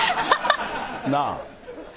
なあ！